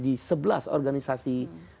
di sebelas organisasi